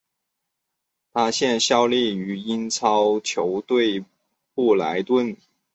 他现在效力于英超球队布莱顿。